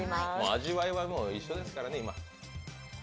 味わいは今、一緒ですからね